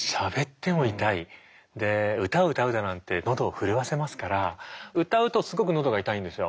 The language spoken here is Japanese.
で歌を歌うだなんて喉を震わせますから歌うとすごく喉が痛いんですよ。